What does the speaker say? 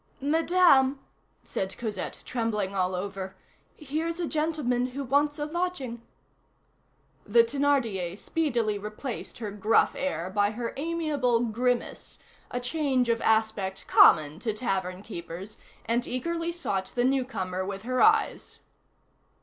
"Madame," said Cosette, trembling all over, "here's a gentleman who wants a lodging." The Thénardier speedily replaced her gruff air by her amiable grimace, a change of aspect common to tavern keepers, and eagerly sought the newcomer with her eyes.